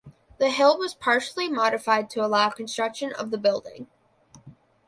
The hill was partially modified to allow construction of the building.